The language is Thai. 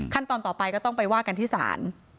ตอนต่อไปก็ต้องไปว่ากันที่ศาล